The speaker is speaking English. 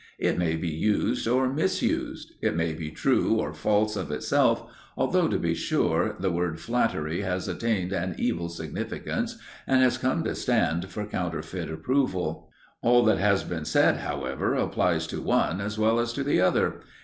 It may be used or misused; it may be true or false of itself, although, to be sure, the word flattery has attained an evil significance and has come to stand for counterfeit approval. All that has been said, however, applies to one as well as to the other.